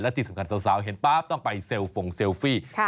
ที่สำคัญสาวเห็นปั๊บต้องไปเซลฟงเซลฟี่